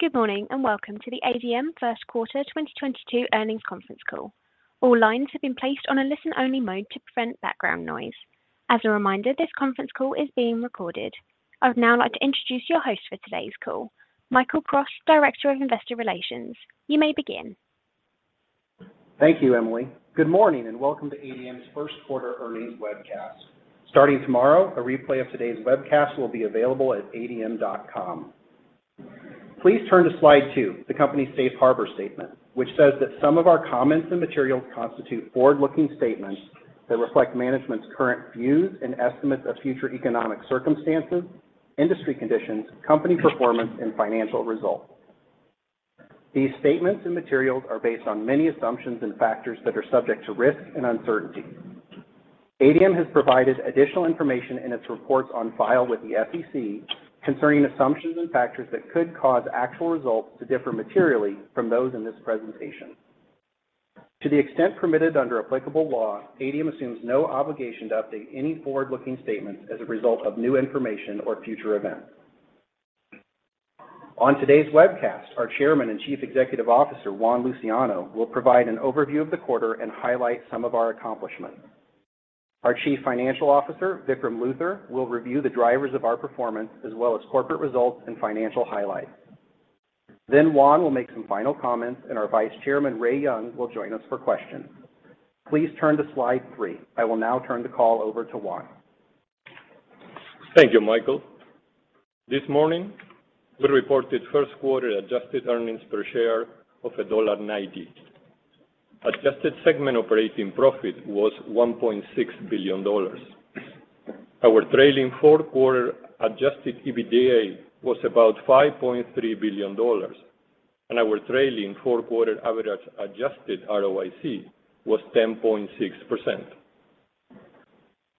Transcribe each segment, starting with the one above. Good morning, and welcome to the ADM first quarter 2022 earnings conference call. All lines have been placed on a listen-only mode to prevent background noise. As a reminder, this conference call is being recorded. I would now like to introduce your host for today's call, Michael Cross, Director of Investor Relations. You may begin. Thank you, Emily. Good morning, and welcome to ADM's first quarter earnings webcast. Starting tomorrow, a replay of today's webcast will be available at adm.com. Please turn to slide 2, the company's safe harbor statement, which says that some of our comments and materials constitute forward-looking statements that reflect management's current views and estimates of future economic circumstances, industry conditions, company performance, and financial results. These statements and materials are based on many assumptions and factors that are subject to risk and uncertainty. ADM has provided additional information in its reports on file with the SEC concerning assumptions and factors that could cause actual results to differ materially from those in this presentation. To the extent permitted under applicable law, ADM assumes no obligation to update any forward-looking statements as a result of new information or future events. On today's webcast, our Chairman and Chief Executive Officer, Juan Luciano, will provide an overview of the quarter and highlight some of our accomplishments. Our Chief Financial Officer, Vikram Luthar, will review the drivers of our performance as well as corporate results and financial highlights. Juan will make some final comments, and our Vice Chairman, Ray Young, will join us for questions. Please turn to slide three. I will now turn the call over to Juan. Thank you, Michael. This morning, we reported first quarter adjusted earnings per share of $1.90. Adjusted segment operating profit was $1.6 billion. Our trailing fourth quarter adjusted EBITDA was about $5.3 billion. Our trailing fourth quarter average adjusted ROIC, was 10.6%.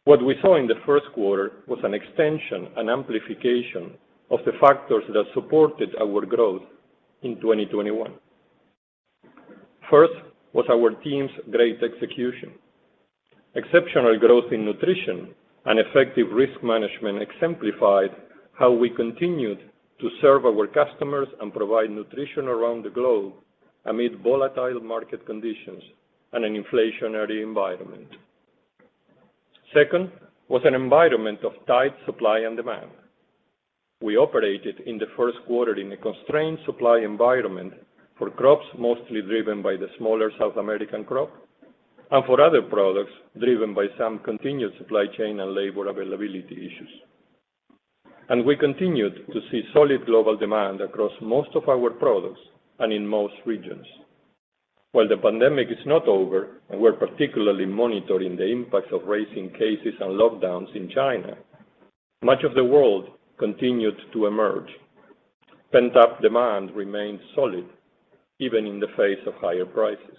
What we saw in the first quarter was an extension and amplification of the factors that supported our growth in 2021. First was our team's great execution. Exceptional growth in nutrition and effective risk management exemplified how we continued to serve our customers and provide nutrition around the globe amid volatile market conditions and an inflationary environment. Second was an environment of tight supply and demand. We operated in the first quarter in a constrained supply environment for crops, mostly driven by the smaller South American crop, and for other products, driven by some continued supply chain and labor availability issues. We continued to see solid global demand across most of our products and in most regions. While the pandemic is not over, and we're particularly monitoring the impacts of rising cases and lockdowns in China, much of the world continued to emerge. Pent-up demand remained solid even in the face of higher prices.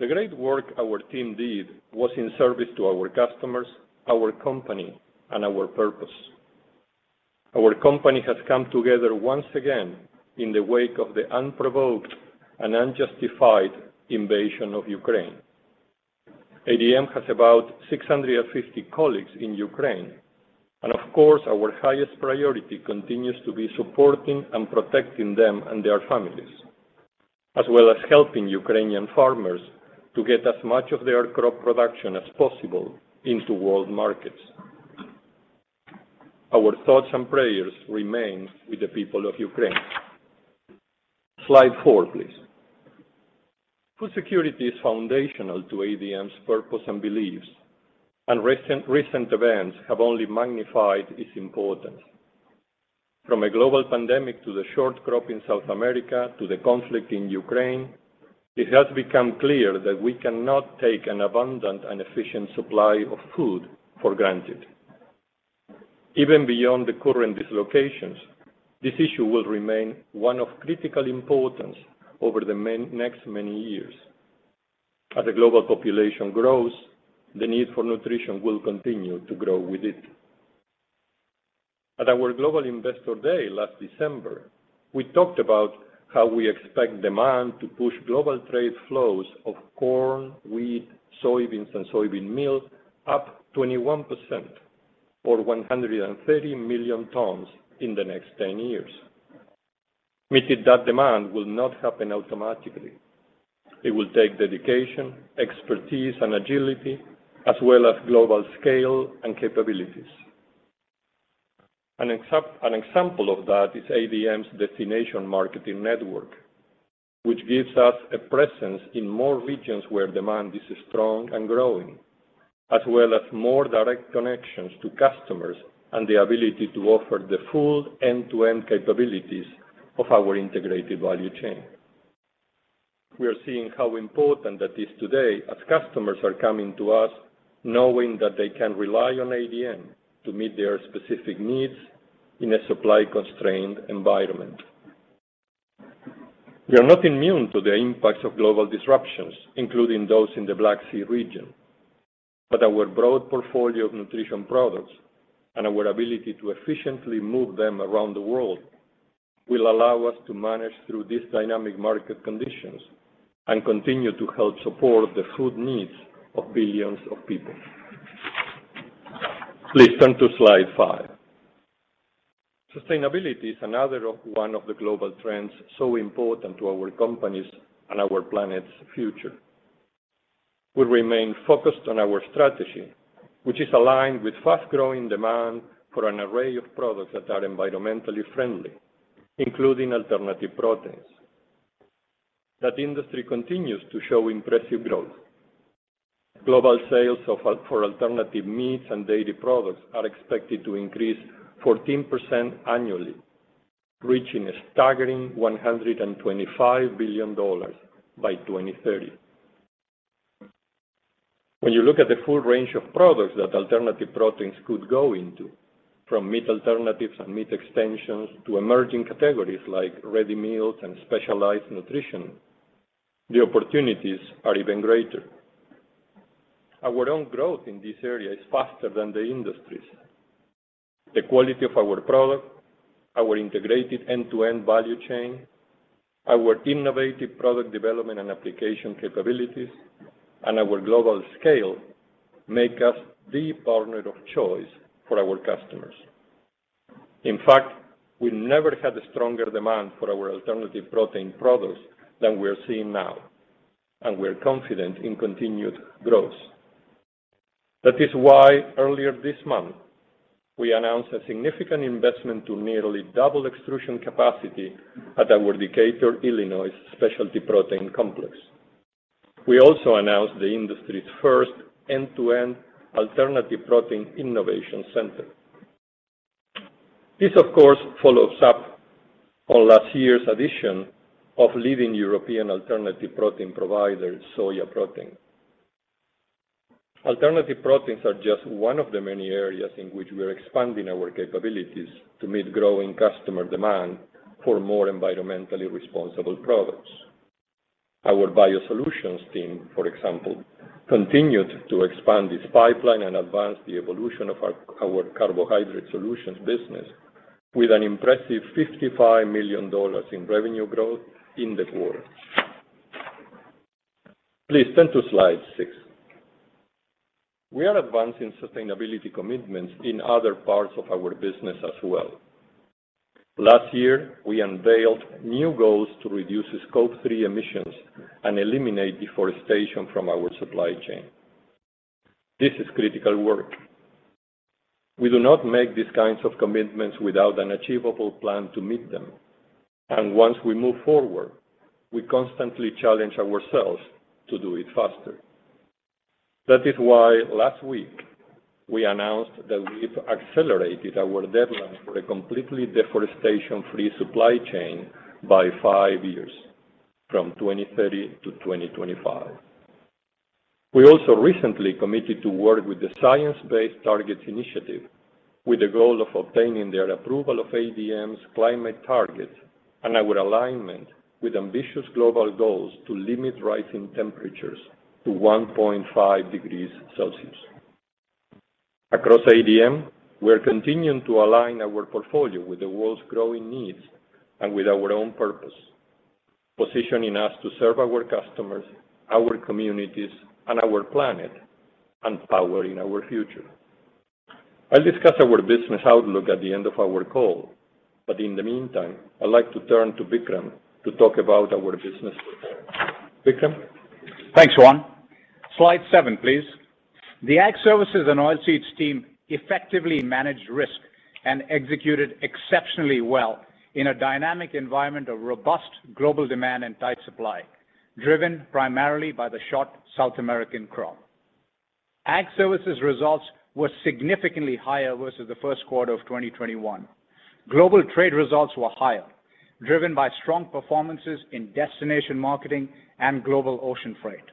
The great work our team did was in service to our customers, our company, and our purpose. Our company has come together once again in the wake of the unprovoked and unjustified invasion of Ukraine. ADM has about 650 colleagues in Ukraine, and of course, our highest priority continues to be supporting and protecting them and their families, as well as helping Ukrainian farmers to get as much of their crop production as possible into world markets. Our thoughts and prayers remain with the people of Ukraine. Slide four, please. Food security is foundational to ADM's purpose and beliefs, and recent events have only magnified its importance. From a global pandemic to the short crop in South America to the conflict in Ukraine, it has become clear that we cannot take an abundant and efficient supply of food for granted. Even beyond the current dislocations, this issue will remain one of critical importance over the next many years. As the global population grows, the need for nutrition will continue to grow with it. At our Global Investor Day last December, we talked about how we expect demand to push global trade flows of corn, wheat, soybeans, and soybean meal up 21% or 130 million tons in the next 10 years. Meeting that demand will not happen automatically. It will take dedication, expertise, and agility, as well as global scale and capabilities. An example of that is ADM's destination marketing network, which gives us a presence in more regions where demand is strong and growing, as well as more direct connections to customers and the ability to offer the full end-to-end capabilities of our integrated value chain. We are seeing how important that is today as customers are coming to us knowing that they can rely on ADM to meet their specific needs in a supply-constrained environment. We are not immune to the impacts of global disruptions, including those in the Black Sea region. Our broad portfolio of nutrition products and our ability to efficiently move them around the world will allow us to manage through these dynamic market conditions and continue to help support the food needs of billions of people. Please turn to slide 5. Sustainability is another one of the global trends so important to our company and our planet's future. We remain focused on our strategy, which is aligned with fast-growing demand for an array of products that are environmentally friendly, including alternative proteins. That industry continues to show impressive growth. Global sales for alternative meats and dairy products are expected to increase 14% annually, reaching a staggering $125 billion by 2030. When you look at the full range of products that alternative proteins could go into, from meat alternatives and meat extensions to emerging categories like ready meals and specialized nutrition, the opportunities are even greater. Our own growth in this area is faster than the industry's. The quality of our product, our integrated end-to-end value chain, our innovative product development and application capabilities, and our global scale make us the partner of choice for our customers. In fact, we never had a stronger demand for our alternative protein products than we're seeing now, and we're confident in continued growth. That is why earlier this month, we announced a significant investment to nearly double extrusion capacity at our Decatur, Illinois specialty protein complex. We also announced the industry's first end-to-end alternative protein innovation center. This, of course, follows up on last year's addition of leading European alternative protein provider, Sojaprotein. Alternative proteins are just one of the many areas in which we are expanding our capabilities to meet growing customer demand for more environmentally responsible products. Our biosolutions team, for example, continued to expand its pipeline and advance the evolution of our carbohydrate solutions business with an impressive $55 million in revenue growth in the quarter. Please turn to slide 6. We are advancing sustainability commitments in other parts of our business as well. Last year, we unveiled new goals to reduce Scope 3 emissions and eliminate deforestation from our supply chain. This is critical work. We do not make these kinds of commitments without an achievable plan to meet them. Once we move forward, we constantly challenge ourselves to do it faster. That is why last week we announced that we've accelerated our deadline for a completely deforestation-free supply chain by 5 years, from 2030 to 2025. We also recently committed to work with the Science Based Targets initiative with the goal of obtaining their approval of ADM's climate target and our alignment with ambitious global goals to limit rising temperatures to 1.5 degrees Celsius. Across ADM, we're continuing to align our portfolio with the world's growing needs and with our own purpose, positioning us to serve our customers, our communities, and our planet, and powering our future. I'll discuss our business outlook at the end of our call, but in the meantime, I'd like to turn to Vikram to talk about our business. Vikram? Thanks, Juan. Slide seven, please. The Ag Services and Oilseeds team effectively managed risk and executed exceptionally well in a dynamic environment of robust global demand and tight supply, driven primarily by the short South American crop. Ag Services results were significantly higher versus the first quarter of 2021. Global trade results were higher, driven by strong performances in destination marketing and global ocean freight.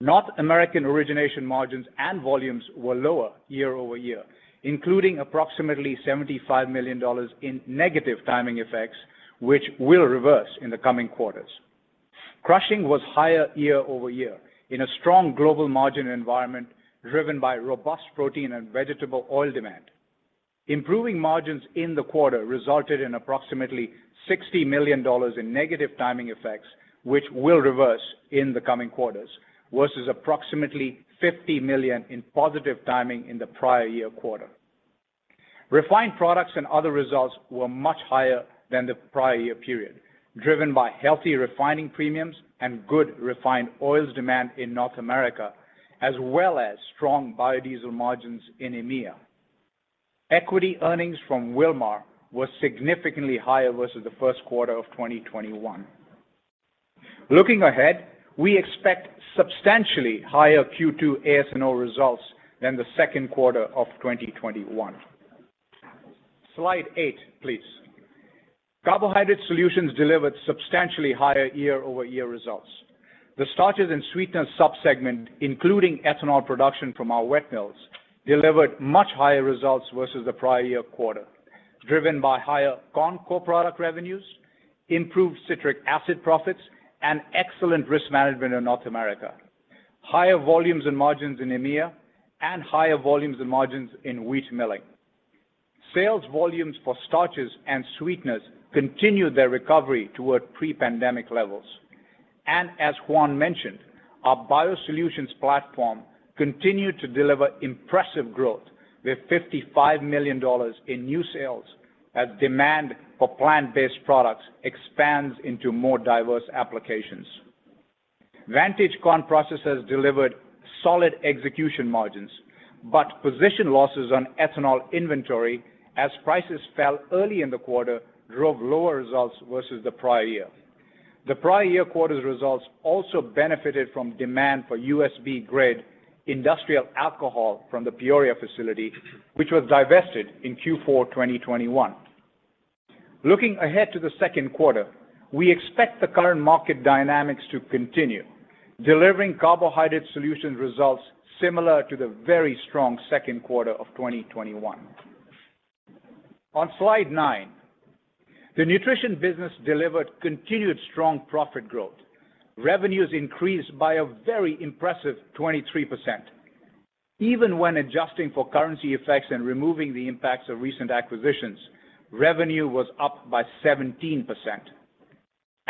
North American origination margins and volumes were lower year-over-year, including approximately $75 million in negative timing effects, which will reverse in the coming quarters. Crushing was higher year-over-year in a strong global margin environment driven by robust protein and vegetable oil demand. Improving margins in the quarter resulted in approximately $60 million in negative timing effects, which will reverse in the coming quarters versus approximately $50 million in positive timing in the prior year quarter. Refined Products and Other results were much higher than the prior year period, driven by healthy refining premiums and good refined oils demand in North America, as well as strong biodiesel margins in EMEA. Equity earnings from Wilmar were significantly higher versus the first quarter of 2021. Looking ahead, we expect substantially higher Q2 AS&O results than the second quarter of 2021. Slide 8, please. Carbohydrate Solutions delivered substantially higher year-over-year results. The starches and sweeteners sub-segment, including ethanol production from our wet mills, delivered much higher results versus the prior year quarter, driven by higher corn co-product revenues, improved citric acid profits, and excellent risk management in North America, higher volumes and margins in EMEA, and higher volumes and margins in wheat milling. Sales volumes for starches and sweeteners continued their recovery toward pre-pandemic levels. As Juan mentioned, our Biosolutions platform continued to deliver impressive growth with $55 million in new sales as demand for plant-based products expands into more diverse applications. Vantage Corn Processors delivered solid execution margins, but position losses on ethanol inventory as prices fell early in the quarter drove lower results versus the prior year. The prior year quarter's results also benefited from demand for USP-grade industrial alcohol from the Peoria facility, which was divested in Q4 2021. Looking ahead to the second quarter, we expect the current market dynamics to continue, delivering Carbohydrate Solutions results similar to the very strong second quarter of 2021. On slide 9, the Nutrition business delivered continued strong profit growth. Revenues increased by a very impressive 23%. Even when adjusting for currency effects and removing the impacts of recent acquisitions, revenue was up by 17%.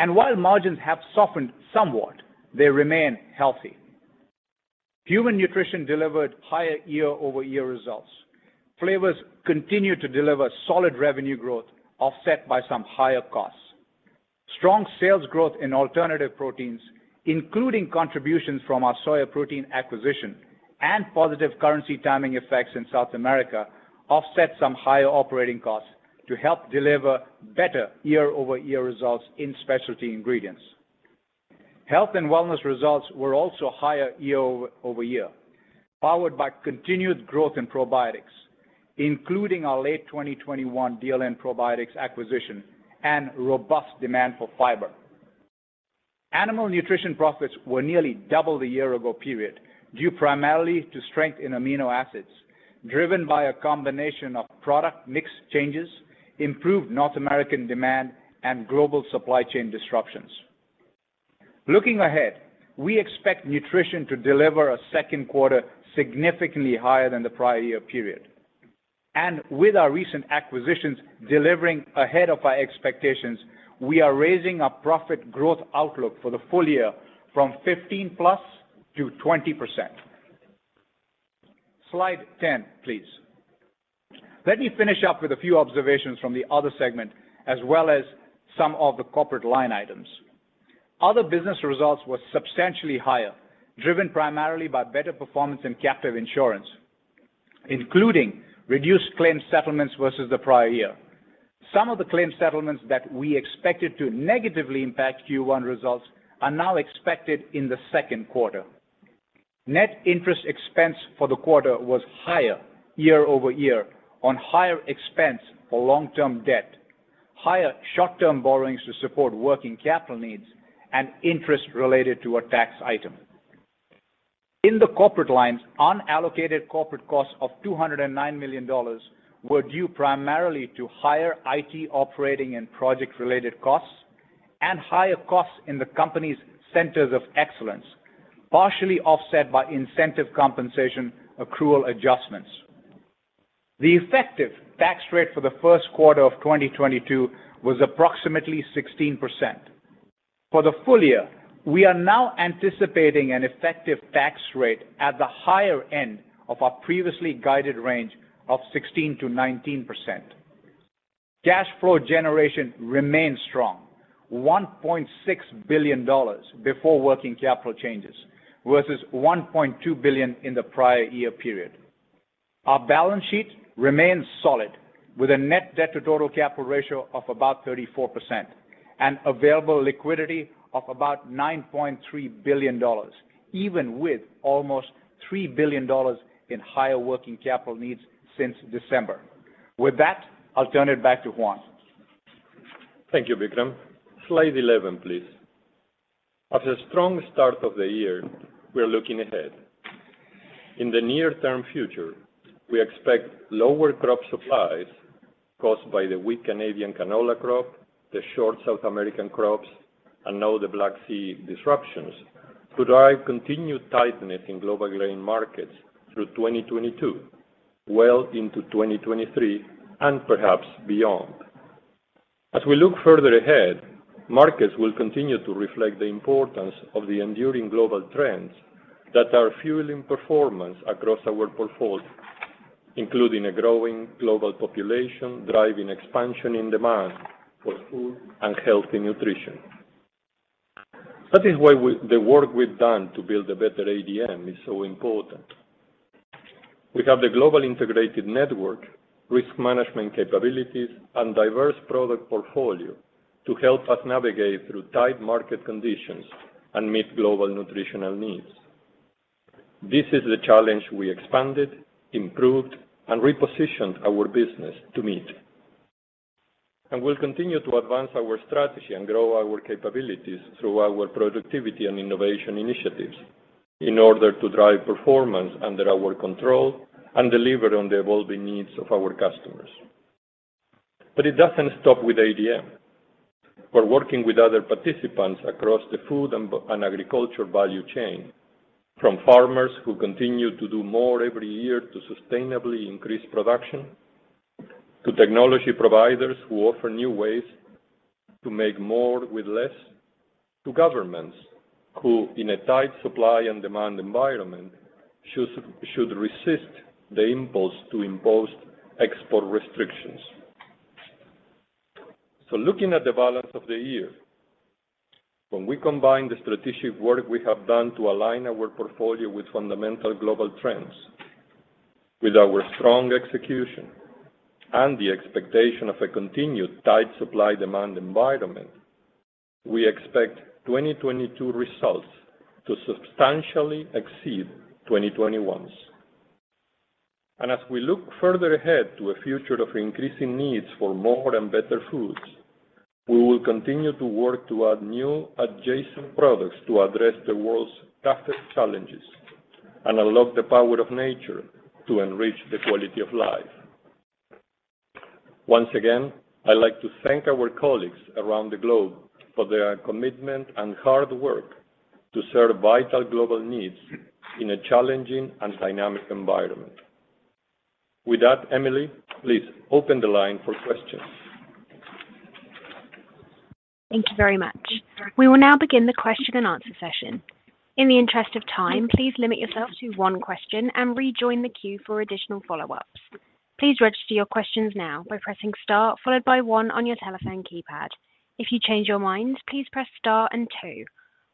While margins have softened somewhat, they remain healthy. Human Nutrition delivered higher year-over-year results. Flavors continued to deliver solid revenue growth, offset by some higher costs. Strong sales growth in alternative proteins, including contributions from our Sojaprotein acquisition and positive currency timing effects in South America, offset some higher operating costs to help deliver better year-over-year results in Specialty Ingredients. Health and Wellness results were also higher year-over-year, powered by continued growth in probiotics, including our late 2021 Deerland Probiotics acquisition and robust demand for fiber. Animal Nutrition profits were nearly double the year-ago period, due primarily to strength in amino acids, driven by a combination of product mix changes, improved North American demand, and global supply chain disruptions. Looking ahead, we expect Nutrition to deliver a second quarter significantly higher than the prior year period. With our recent acquisitions delivering ahead of our expectations, we are raising our profit growth outlook for the full year from 15 plus to 20%. Slide 10, please. Let me finish up with a few observations from the other segment, as well as some of the corporate line items. Other business results were substantially higher, driven primarily by better performance in captive insurance, including reduced claim settlements versus the prior year. Some of the claim settlements that we expected to negatively impact Q1 results are now expected in the second quarter. Net interest expense for the quarter was higher year-over-year on higher expense for long-term debt, higher short-term borrowings to support working capital needs, and interest related to a tax item. In the corporate lines, unallocated corporate costs of $209 million were due primarily to higher IT operating and project-related costs and higher costs in the company's centers of excellence, partially offset by incentive compensation accrual adjustments. The effective tax rate for the first quarter of 2022 was approximately 16%. For the full year, we are now anticipating an effective tax rate at the higher end of our previously guided range of 16%-19%. Cash flow generation remains strong, $1.6 billion before working capital changes versus $1.2 billion in the prior year period. Our balance sheet remains solid with a net debt to total capital ratio of about 34% and available liquidity of about $9.3 billion, even with almost $3 billion in higher working capital needs since December. With that, I'll turn it back to Juan. Thank you, Vikram. Slide 11, please. After a strong start of the year, we are looking ahead. In the near-term future, we expect lower crop supplies caused by the weak Canadian canola crop, the short South American crops, and now the Black Sea disruptions to drive continued tightness in global grain markets through 2022, well into 2023, and perhaps beyond. As we look further ahead, markets will continue to reflect the importance of the enduring global trends that are fueling performance across our portfolio, including a growing global population driving expansion in demand for food and healthy nutrition. That is why the work we've done to build a better ADM is so important. We have the global integrated network, risk management capabilities, and diverse product portfolio to help us navigate through tight market conditions and meet global nutritional needs. This is the challenge we expanded, improved, and repositioned our business to meet. We'll continue to advance our strategy and grow our capabilities through our productivity and innovation initiatives in order to drive performance under our control and deliver on the evolving needs of our customers. It doesn't stop with ADM. We're working with other participants across the food and agriculture value chain. From farmers who continue to do more every year to sustainably increase production, to technology providers who offer new ways to make more with less, to governments who in a tight supply and demand environment should resist the impulse to impose export restrictions. Looking at the balance of the year, when we combine the strategic work we have done to align our portfolio with fundamental global trends, with our strong execution and the expectation of a continued tight supply demand environment, we expect 2022 results to substantially exceed 2021's. As we look further ahead to a future of increasing needs for more and better foods, we will continue to work to add new adjacent products to address the world's toughest challenges and unlock the power of nature to enrich the quality of life. Once again, I'd like to thank our colleagues around the globe for their commitment and hard work to serve vital global needs in a challenging and dynamic environment. With that, Emily, please open the line for questions. Thank you very much. We will now begin the question and answer session. In the interest of time, please limit yourself to one question and rejoin the queue for additional follow-ups. Please register your questions now by pressing star followed by one on your telephone keypad. If you change your mind, please press star and two.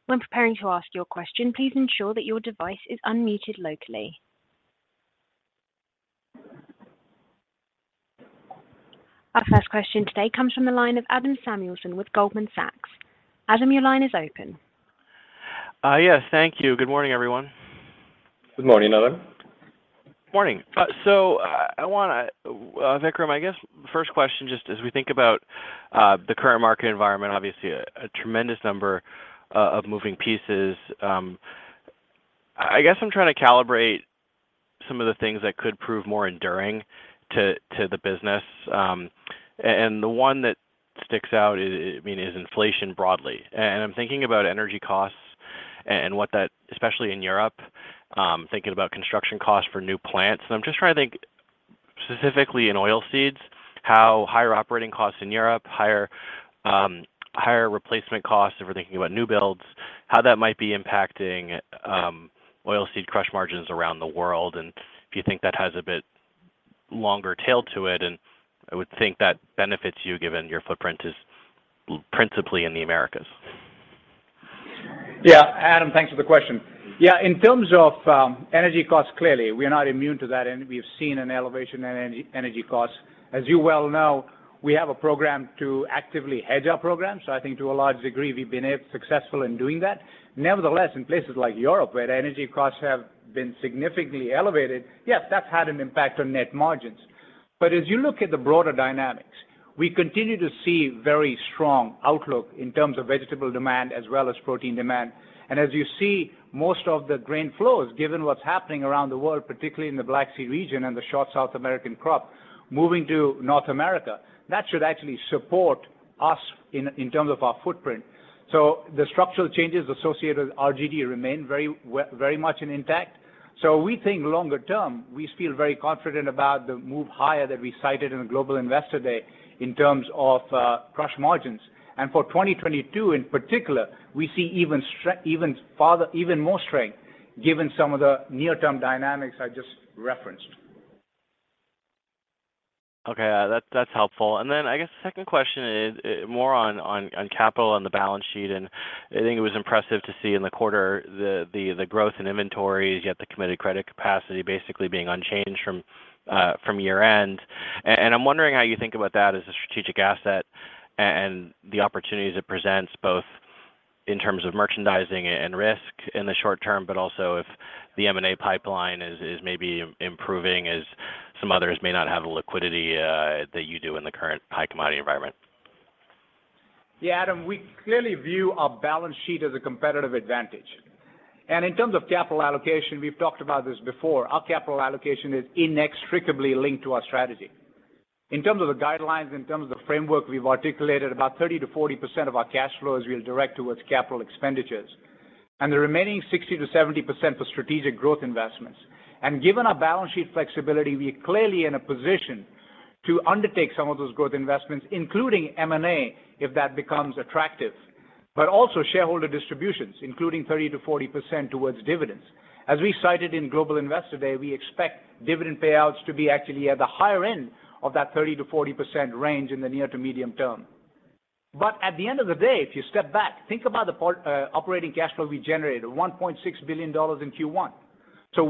When preparing to ask your question, please ensure that your device is unmuted locally. Our first question today comes from the line of Adam Samuelson with Goldman Sachs. Adam, your line is open. Yes, thank you. Good morning, everyone. Good morning, Adam. Morning. So I wanna, Vikram, I guess the first question, just as we think about the current market environment, obviously a tremendous number of moving pieces. I guess I'm trying to calibrate some of the things that could prove more enduring to the business. The one that sticks out is, I mean, is inflation broadly. I'm thinking about energy costs and what that especially in Europe, thinking about construction costs for new plants. I'm just trying to think, specifically in oilseeds, how higher operating costs in Europe, higher replacement costs, if we're thinking about new builds, how that might be impacting oilseed crush margins around the world, and if you think that has a bit longer tail to it, and I would think that benefits you given your footprint is principally in the Americas. Yeah. Adam, thanks for the question. Yeah, in terms of energy costs, clearly, we are not immune to that, and we have seen an elevation in energy costs. As you well know, we have a program to actively hedge our program. I think to a large degree, we've been successful in doing that. Nevertheless, in places like Europe, where the energy costs have been significantly elevated, yes, that's had an impact on net margins. As you look at the broader dynamics, we continue to see very strong outlook in terms of vegetable demand as well as protein demand. As you see, most of the grain flows, given what's happening around the world, particularly in the Black Sea region and the short South American crop, moving to North America, that should actually support us in terms of our footprint. The structural changes associated with RP&O remain very much intact. We think longer term, we feel very confident about the move higher that we cited in the Global Investor Day in terms of, crush margins. For 2022, in particular, we see even more strength given some of the near-term dynamics I just referenced. Okay. That's helpful. Then I guess second question is more on capital and the balance sheet, and I think it was impressive to see in the quarter the growth in inventories, yet the committed credit capacity basically being unchanged from year-end. And I'm wondering how you think about that as a strategic asset and the opportunities it presents both in terms of merchandising and risk in the short term, but also if the M&A pipeline is maybe improving as some others may not have the liquidity that you do in the current high commodity environment. Yeah, Adam, we clearly view our balance sheet as a competitive advantage. In terms of capital allocation, we've talked about this before, our capital allocation is inextricably linked to our strategy. In terms of the guidelines, in terms of the framework we've articulated, about 30%-40% of our cash flow is we'll direct towards capital expenditures, and the remaining 60%-70% for strategic growth investments. Given our balance sheet flexibility, we're clearly in a position to undertake some of those growth investments, including M&A, if that becomes attractive. Also shareholder distributions, including 30%-40% towards dividends. As we cited in Global Investor Day, we expect dividend payouts to be actually at the higher end of that 30%-40% range in the near to medium term. At the end of the day, if you step back, think about the operating cash flow we generated, $1.6 billion in Q1.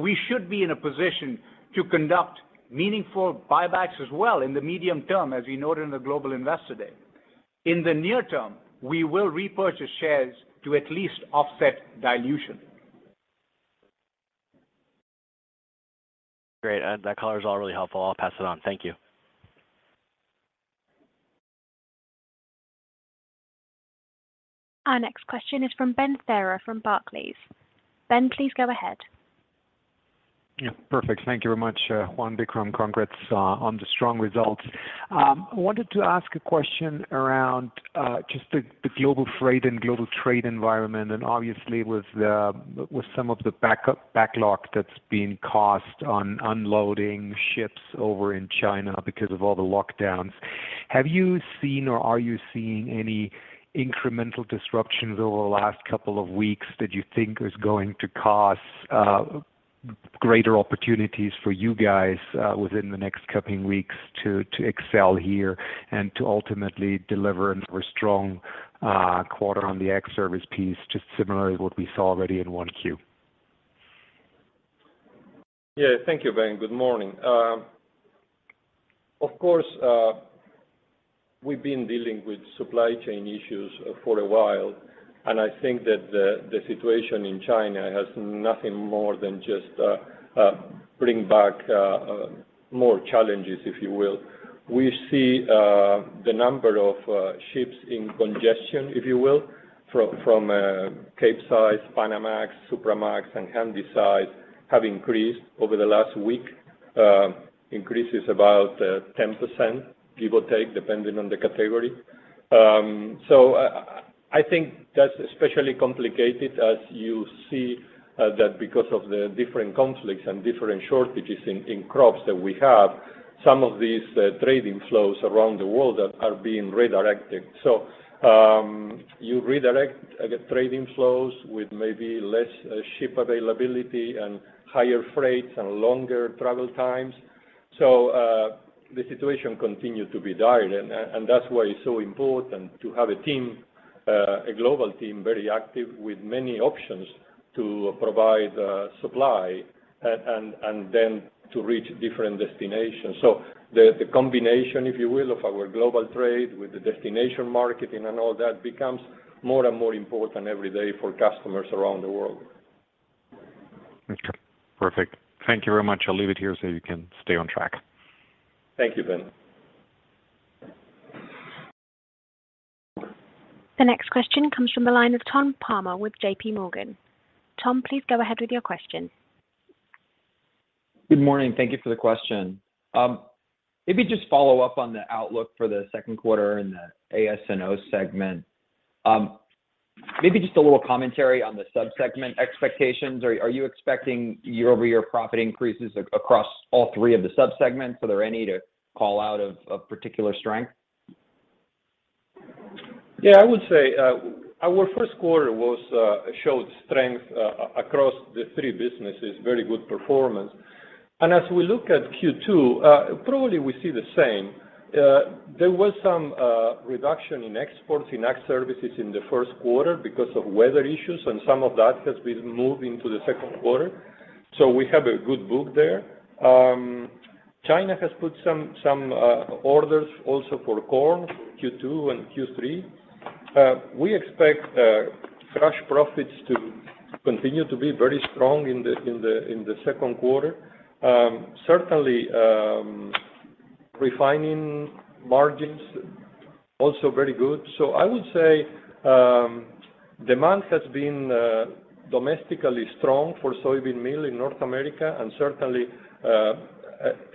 We should be in a position to conduct meaningful buybacks as well in the medium term, as we noted in the Global Investor Day. In the near term, we will repurchase shares to at least offset dilution. Great. That color is all really helpful. I'll pass it on. Thank you. Our next question is from Benjamin Theurer from Barclays. Ben, please go ahead. Yeah. Perfect. Thank you very much, Juan, Vikram. Congrats on the strong results. I wanted to ask a question around just the global freight and global trade environment, and obviously with some of the backlog that's being caused on unloading ships over in China because of all the lockdowns. Have you seen or are you seeing any incremental disruptions over the last couple of weeks that you think is going to cause greater opportunities for you guys within the next coming weeks to excel here and to ultimately deliver another strong quarter on the Ag Services piece, just similarly what we saw already in 1Q? Yeah. Thank you, Ben. Good morning. Of course, we've been dealing with supply chain issues for a while, and I think that the situation in China has done nothing more than just bring back more challenges, if you will. We see the number of ships in congestion, if you will, from Capesize, Panamax, Supramax, and Handysize have increased over the last week. The increase is about 10%, give or take, depending on the category. I think that's especially complicated as you see that because of the different conflicts and different shortages in crops that we have, some of these trading flows around the world are being redirected. You redirect, I guess, trading flows with maybe less ship availability and higher freights and longer travel times. The situation continues to be dire and that's why it's so important to have a team, a global team, very active with many options to provide supply and then to reach different destinations. The combination, if you will, of our global trade with the destination marketing and all that becomes more and more important every day for customers around the world. Okay. Perfect. Thank you very much. I'll leave it here so you can stay on track. Thank you, Ben. The next question comes from the line of Tom Palmer with JPMorgan. Tom, please go ahead with your question. Good morning. Thank you for the question. Maybe just follow up on the outlook for the second quarter in the AS&O segment. Maybe just a little commentary on the sub-segment expectations. Are you expecting year-over-year profit increases across all three of the sub-segments? Are there any to call out of particular strength? Yeah, I would say our first quarter showed strength across the three businesses, very good performance. As we look at Q2, probably we see the same. There was some reduction in exports in Ag Services in the first quarter because of weather issues, and some of that has been moved into the second quarter, so we have a good book there. China has put some orders also for corn, Q2 and Q3. We expect fresh profits to continue to be very strong in the second quarter. Certainly, refining margins also very good. I would say demand has been domestically strong for soybean meal in North America and certainly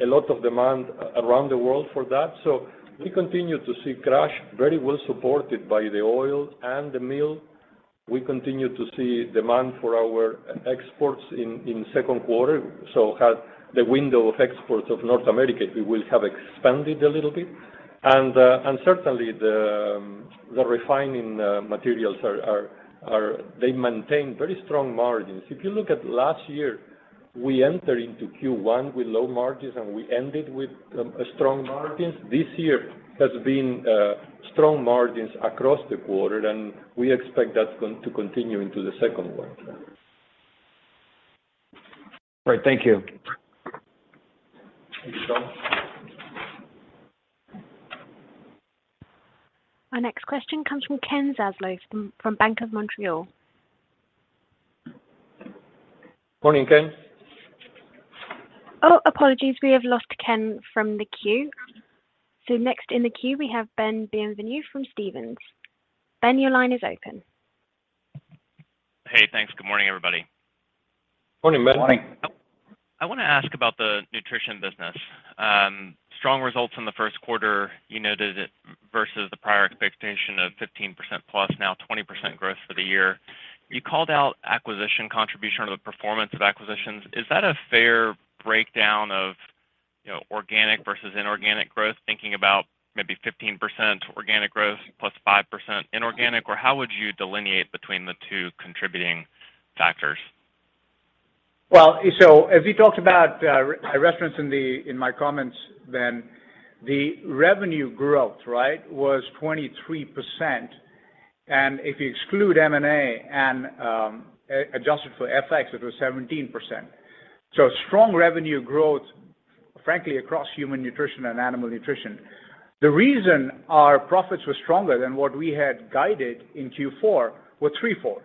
a lot of demand around the world for that. We continue to see crush very well supported by the oil and the meal. We continue to see demand for our exports in second quarter, so the window of exports of North America will have expanded a little bit. Certainly the refining margins maintain very strong margins. If you look at last year, we entered into Q1 with low margins, and we ended with strong margins. This year has been strong margins across the quarter, and we expect that's going to continue into the second one. All right. Thank you. Thank you, Tom. Our next question comes from Ken Zaslow from Bank of Montreal. Morning, Ken. Oh, apologies. We have lost Ken from the queue. Next in the queue, we have Ben Bienvenu from Stephens. Ben, your line is open. Hey, thanks. Good morning, everybody. Morning, Ben. Morning. I want to ask about the Nutrition business. Strong results in the first quarter. You noted it versus the prior expectation of 15%+, now 20% growth for the year. You called out acquisition contribution or the performance of acquisitions. Is that a fair breakdown of, you know, organic versus inorganic growth? Thinking about maybe 15% organic growth + 5% inorganic, or how would you delineate between the two contributing factors? Well, as we talked about, I referenced in my comments, Ben, the revenue growth, right, was 23%. If you exclude M&A and adjust it for FX, it was 17%. Strong revenue growth, frankly, across Human Nutrition and Animal Nutrition. The reason our profits were stronger than what we had guided in Q4 were threefold.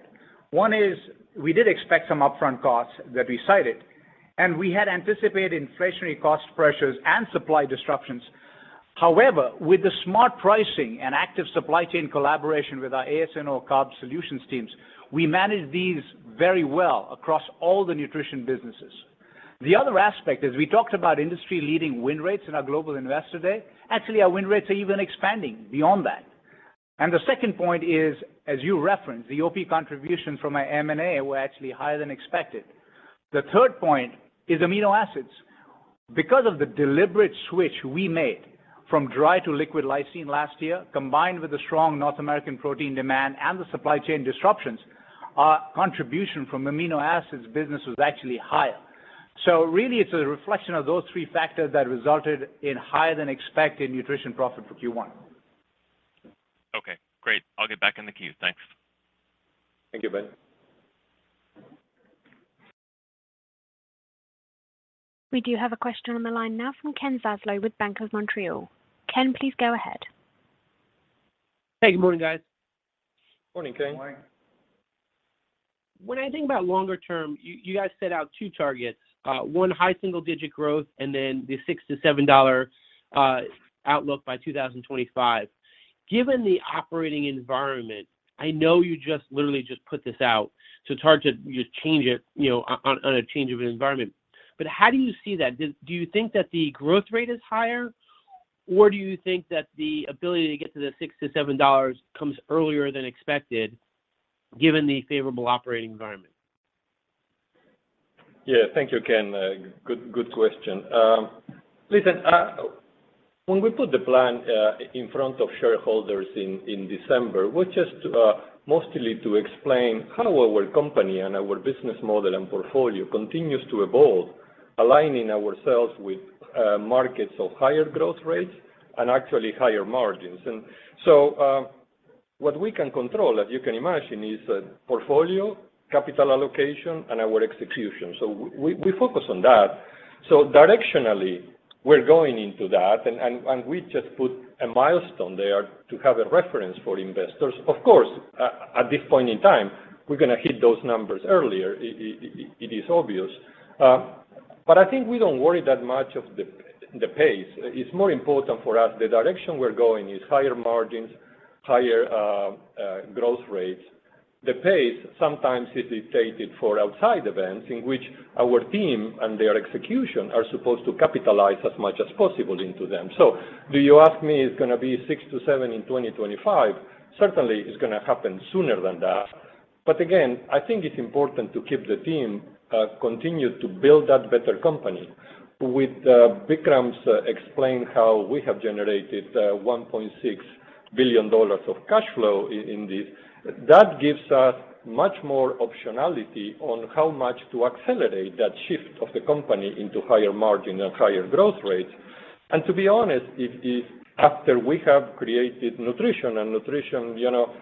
One is we did expect some upfront costs that we cited. We had anticipated inflationary cost pressures and supply disruptions. However, with the smart pricing and active supply chain collaboration with our AS&O Carbohydrate Solutions teams, we managed these very well across all the nutrition businesses. The other aspect is we talked about industry-leading win rates in our Global Investor Day. Actually, our win rates are even expanding beyond that. The second point is, as you referenced, the OP contribution from our M&A were actually higher than expected. The third point is amino acids. Because of the deliberate switch we made from dry to liquid lysine last year, combined with the strong North American protein demand and the supply chain disruptions, our contribution from amino acids business was actually higher. Really, it's a reflection of those three factors that resulted in higher than expected nutrition profit for Q1. Okay, great. I'll get back in the queue. Thanks. Thank you, Ben. We do have a question on the line now from Ken Zaslow with Bank of Montreal. Ken, please go ahead. Hey, good morning, guys. Morning, Ken. Morning. When I think about longer term, you guys set out two targets, one high single-digit growth and then the $6-$7 outlook by 2025. Given the operating environment, I know you just literally put this out, so it's hard to just change it, you know, on a change of an environment. How do you see that? Do you think that the growth rate is higher, or do you think that the ability to get to the $6-$7 comes earlier than expected given the favorable operating environment? Yeah. Thank you, Ken. Good question. Listen, when we put the plan in front of shareholders in December, was just mostly to explain how our company and our business model and portfolio continues to evolve, aligning ourselves with markets of higher growth rates and actually higher margins. What we can control, as you can imagine, is portfolio, capital allocation, and our execution. We focus on that. Directionally, we're going into that, and we just put a milestone there to have a reference for investors. Of course, at this point in time, we're gonna hit those numbers earlier. It is obvious. But I think we don't worry that much of the pace. It's more important for us the direction we're going is higher margins, higher growth rates. The pace sometimes is dictated for outside events in which our team and their execution are supposed to capitalize as much as possible into them. If you ask me it's gonna be 6-7 in 2025? Certainly, it's gonna happen sooner than that. I think it's important to keep the team continue to build that better company. With Vikram's explanation how we have generated $1.6 billion of cash flow in this, that gives us much more optionality on how much to accelerate that shift of the company into higher margin and higher growth rates. To be honest, after we have created nutrition, you know,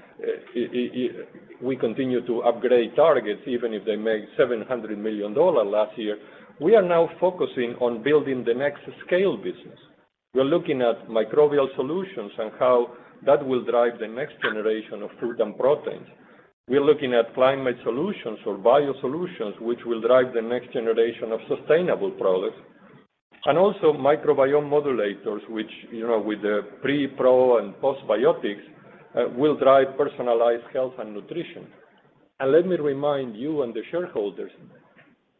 we continue to upgrade targets, even if they made $700 million last year. We are now focusing on building the next scale business. We're looking at microbial solutions and how that will drive the next generation of future proteins. We're looking at climate solutions or Biosolutions, which will drive the next generation of sustainable products. Also microbiome modulators, which, you know, with the pre-, pro- and postbiotics, will drive personalized health and nutrition. Let me remind you and the shareholders,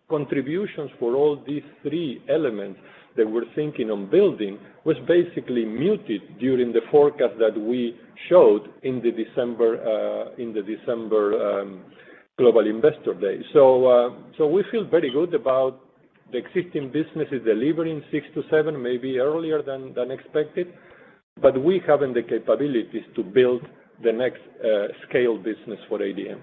contributions for all these three elements that we're thinking on building was basically muted during the forecast that we showed in the December Global Investor Day. We feel very good about the existing businesses delivering 6%-7%, maybe earlier than expected, but we have the capabilities to build the next scale business for ADM.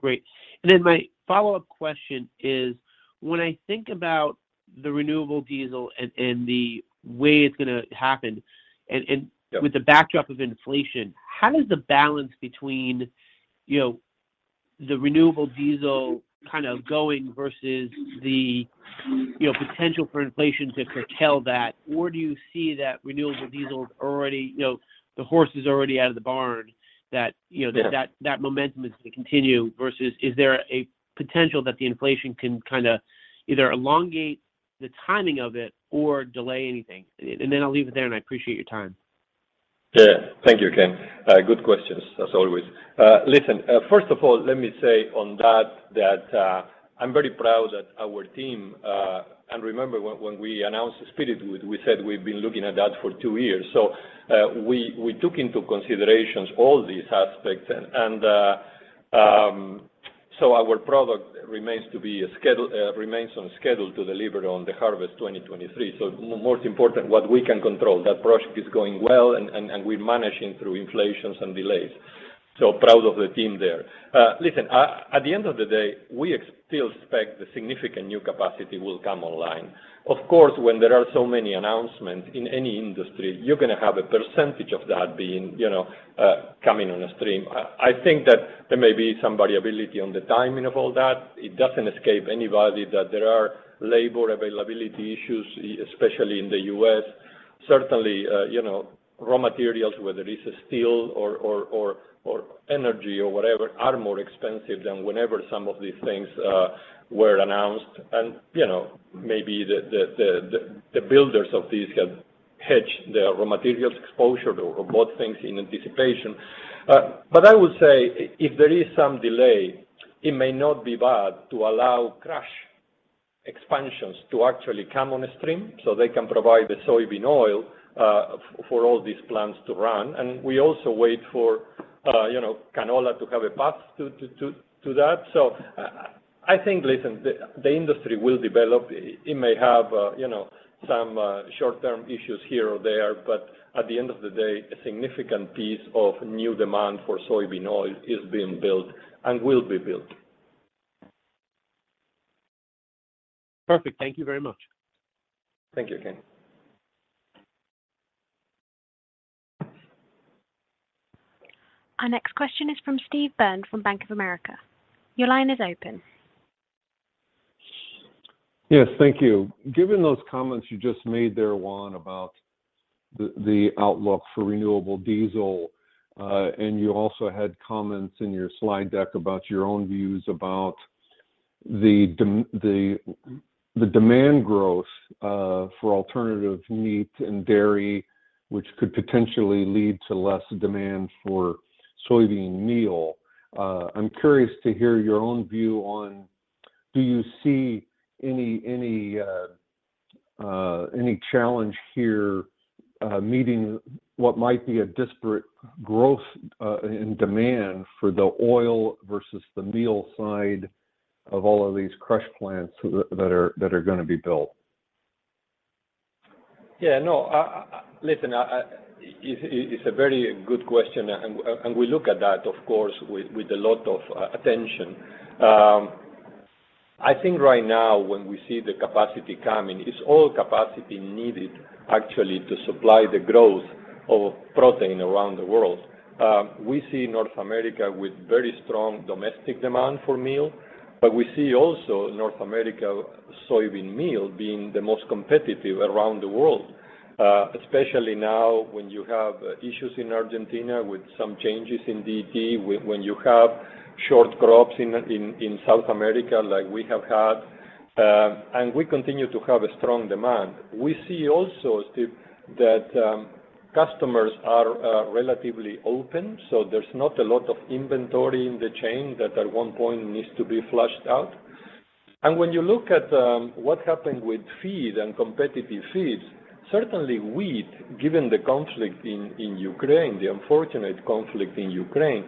Great. My follow-up question is, when I think about the renewable diesel and the way it's gonna happen. Yeah. with the backdrop of inflation, how does the balance between, you know, the renewable diesel kind of going versus the, you know, potential for inflation to curtail that? Or do you see that renewable diesel is already, you know, the horse is already out of the barn, that, you know- Yeah. That momentum is to continue versus is there a potential that the inflation can kinda either elongate the timing of it or delay anything? And then I'll leave it there, and I appreciate your time. Thank you, Ken. Good questions as always. Listen, first of all, let me say on that, I'm very proud that our team. Remember when we announced Spiritwood, we said we've been looking at that for two years. We took into considerations all these aspects, so our product remains on schedule to deliver on the harvest 2023. Most important, what we can control, that project is going well and we're managing through inflation and delays. Proud of the team there. Listen, at the end of the day, we still expect the significant new capacity will come online. Of course, when there are so many announcements in any industry, you're gonna have a percentage of that being, you know, coming on stream. I think that there may be some variability on the timing of all that. It doesn't escape anybody that there are labor availability issues, especially in the U.S. Certainly, you know, raw materials, whether it is steel or energy or whatever, are more expensive than whenever some of these things were announced. You know, maybe the builders of these have hedged their raw materials exposure to both things in anticipation. But I would say if there is some delay, it may not be bad to allow crush expansions to actually come on stream so they can provide the soybean oil for all these plants to run. We also wait for, you know, canola to have a path to that. I think, listen, the industry will develop. It may have, you know, some short-term issues here or there, but at the end of the day, a significant piece of new demand for soybean oil is being built and will be built. Perfect. Thank you very much. Thank you, Ken. Our next question is from Steve Byrne from Bank of America. Your line is open. Yes, thank you. Given those comments you just made there, Juan, about the outlook for renewable diesel, and you also had comments in your slide deck about your own views about the demand growth for alternative meat and dairy, which could potentially lead to less demand for soybean meal, I'm curious to hear your own view on do you see any challenge here meeting what might be a disparate growth in demand for the oil versus the meal side of all of these crush plants that are gonna be built? Yeah, no. Listen, it's a very good question. We look at that, of course, with a lot of attention. I think right now when we see the capacity coming, it's all capacity needed actually to supply the growth of protein around the world. We see North America with very strong domestic demand for meal, but we see also North America soybean meal being the most competitive around the world, especially now when you have issues in Argentina with some changes in DEs, when you have short crops in South America like we have had, and we continue to have a strong demand. We see also, Steve, that customers are relatively open, so there's not a lot of inventory in the chain that at one point needs to be flushed out. When you look at what happened with feed and competitive feeds, certainly wheat, given the conflict in Ukraine, the unfortunate conflict in Ukraine,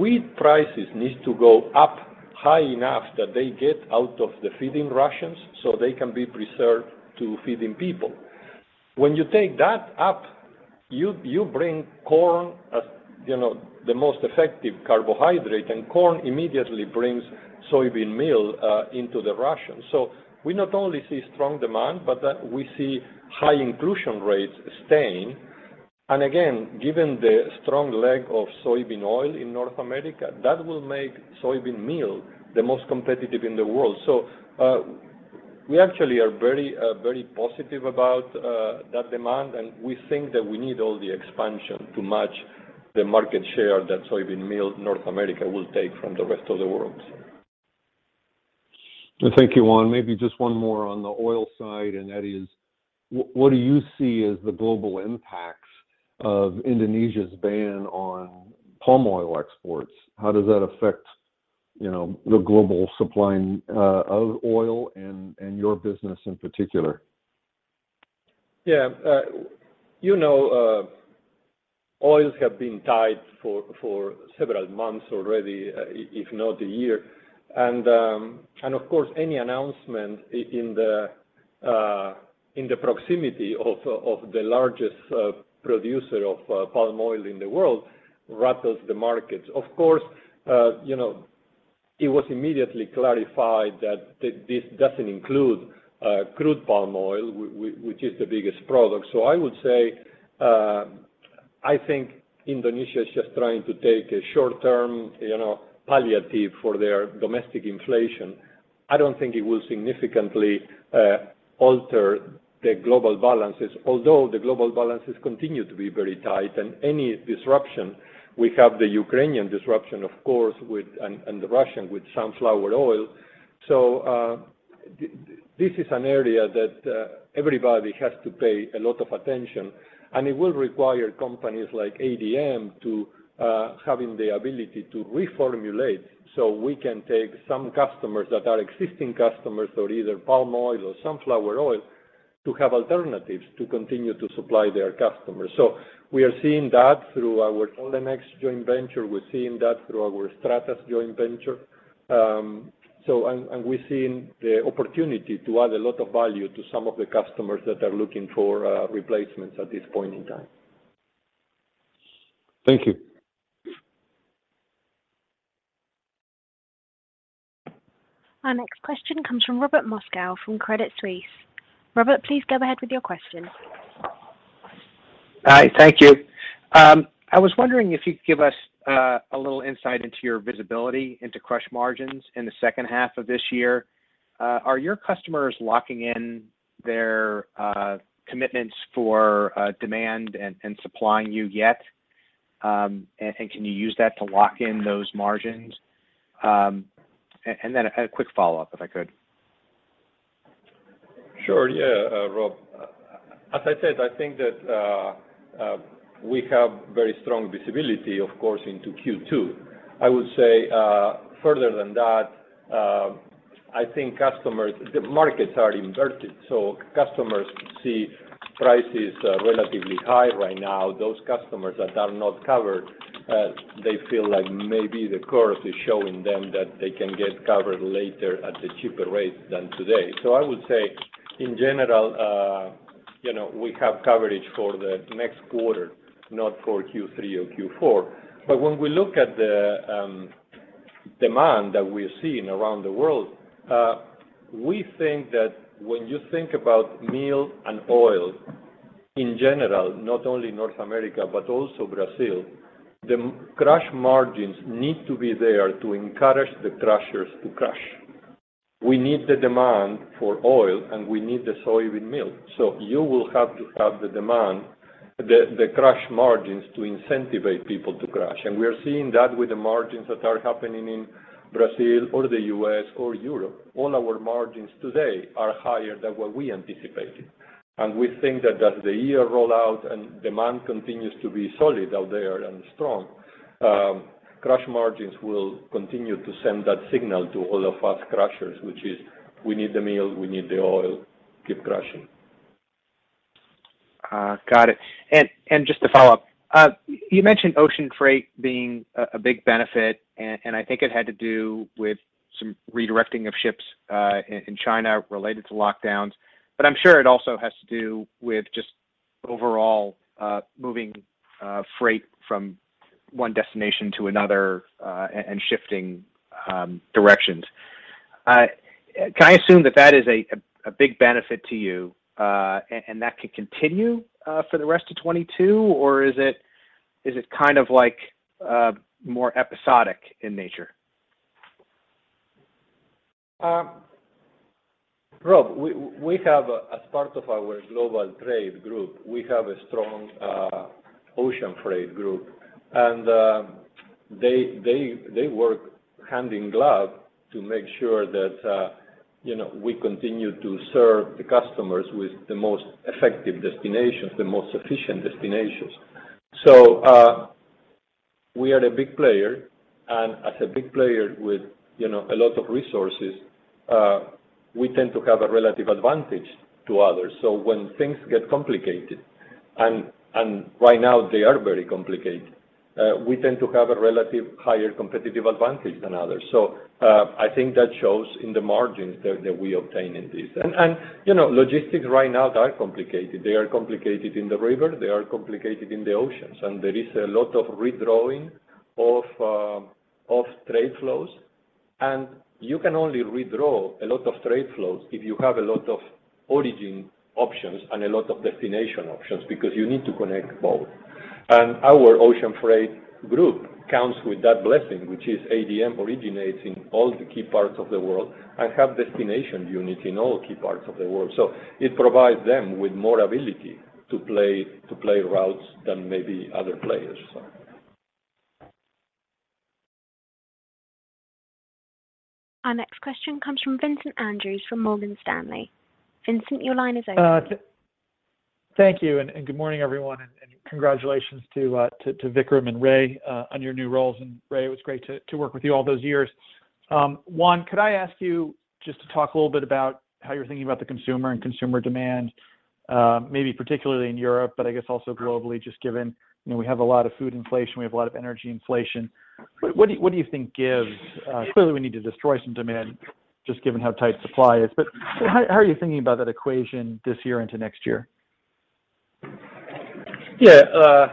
wheat prices need to go up high enough that they get out of the feeding rations so they can be preserved for feeding people. When you take that up, you bring corn as, you know, the most effective carbohydrate, and corn immediately brings soybean meal into the ration. We not only see strong demand, but we see high inclusion rates staying. Again, given the strong leg of soybean oil in North America, that will make soybean meal the most competitive in the world. We actually are very positive about that demand, and we think that we need all the expansion to match the market share that soybean meal North America will take from the rest of the world. Thank you, Juan. Maybe just one more on the oil side, and that is, what do you see as the global impacts of Indonesia's ban on palm oil exports? How does that affect, you know, the global supply, of oil and your business in particular? Yeah. You know, oils have been tight for several months already, if not a year. Of course, any announcement in the proximity of the largest producer of palm oil in the world rattles the market. Of course, you know, it was immediately clarified that this doesn't include crude palm oil which is the biggest product. So I would say, I think Indonesia is just trying to take a short-term, you know, palliative for their domestic inflation. I don't think it will significantly alter the global balances, although the global balances continue to be very tight. Any disruption, we have the Ukrainian disruption of course, with and the Russian with sunflower oil. This is an area that everybody has to pay a lot of attention, and it will require companies like ADM to having the ability to reformulate so we can take some customers that are existing customers for either palm oil or sunflower oil to have alternatives to continue to supply their customers. We are seeing that through our Olenex joint venture. We're seeing that through our Stratas joint venture. And we're seeing the opportunity to add a lot of value to some of the customers that are looking for replacements at this point in time. Thank you. Our next question comes from Robert Moskow from Credit Suisse. Robert, please go ahead with your question. Hi. Thank you. I was wondering if you could give us a little insight into your visibility into crush margins in the second half of this year. Are your customers locking in their commitments for demand and supplying you yet? Can you use that to lock in those margins? A quick follow-up, if I could. Sure. Yeah, Rob. As I said, I think that we have very strong visibility, of course, into Q2. I would say further than that, I think customers. The markets are inverted, so customers see prices relatively high right now. Those customers that are not covered, they feel like maybe the curve is showing them that they can get covered later at a cheaper rate than today. I would say in general, you know, we have coverage for the next quarter, not for Q3 or Q4. When we look at the demand that we're seeing around the world, we think that when you think about meal and oil in general, not only North America, but also Brazil, the crush margins need to be there to encourage the crushers to crush. We need the demand for oil, and we need the soybean meal. You will have to have the demand, the crush margins to incentivize people to crush. We are seeing that with the margins that are happening in Brazil or the U.S. or Europe. All our margins today are higher than what we anticipated. We think that as the year roll out and demand continues to be solid out there and strong, crush margins will continue to send that signal to all of us crushers, which is, we need the meal, we need the oil, keep crushing. Got it. Just to follow up, you mentioned ocean freight being a big benefit, and I think it had to do with some redirecting of ships in China related to lockdowns. I'm sure it also has to do with just overall moving freight from one destination to another and shifting directions. Can I assume that is a big benefit to you, and that could continue for the rest of 2022 or is it kind of like more episodic in nature? Rob, as part of our global trade group, we have a strong ocean freight group. They work hand in glove to make sure that, you know, we continue to serve the customers with the most effective destinations, the most efficient destinations. We are a big player, and as a big player with, you know, a lot of resources, we tend to have a relative advantage to others. When things get complicated, and right now they are very complicated, we tend to have a relative higher competitive advantage than others. I think that shows in the margins that we obtain in this. You know, logistics right now are complicated. They are complicated in the river, they are complicated in the oceans, and there is a lot of redrawing of trade flows. You can only redraw a lot of trade flows if you have a lot of origin options and a lot of destination options, because you need to connect both. Our ocean freight group comes with that blessing, which is ADM originates in all the key parts of the world and have destination unit in all key parts of the world. It provides them with more ability to play routes than maybe other players. Our next question comes from Vincent Andrews from Morgan Stanley. Vincent, your line is open. Thank you and good morning, everyone, and congratulations to Vikram and Ray on your new roles. Ray, it was great to work with you all those years. Juan, could I ask you just to talk a little bit about how you're thinking about the consumer and consumer demand, maybe particularly in Europe, but I guess also globally, just given, you know, we have a lot of food inflation, we have a lot of energy inflation. What do you think gives, clearly we need to destroy some demand just given how tight supply is. How are you thinking about that equation this year into next year? Yeah.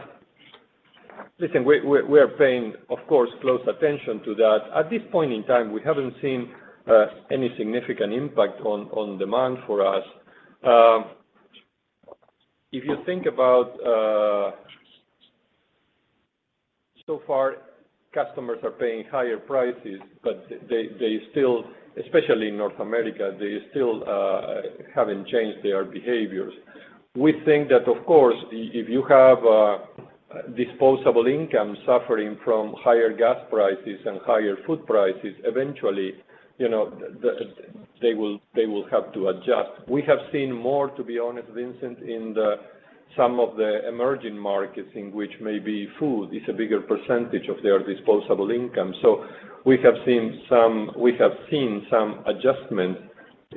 Listen, we're paying, of course, close attention to that. At this point in time, we haven't seen any significant impact on demand for us. If you think about, so far, customers are paying higher prices, but they still, especially in North America, haven't changed their behaviors. We think that, of course, if you have disposable income suffering from higher gas prices and higher food prices, eventually, you know, they will have to adjust. We have seen more, to be honest, Vincent, in some of the emerging markets in which maybe food is a bigger percentage of their disposable income. So we have seen some adjustments,